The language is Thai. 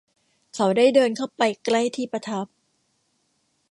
เขาได้เดินเข้าไปใกล้ที่ประทับ